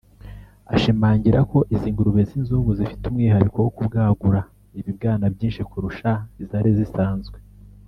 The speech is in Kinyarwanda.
ashimangira ko izi ngurube z’ inzungu zifite umwihariko wo kubwagura ibibwana byinshi kurusha izari zisanzwe